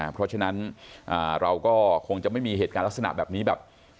เพราะฉะนั้นเราก็คงจะไม่มีเหตุการณ์ลักษณะแบบนี้แบบ